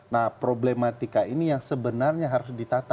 nah problematika ini yang sebenarnya harus ditata